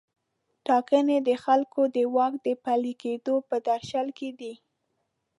ټاکنې د خلکو د واک د پلي کیدو په درشل کې دي.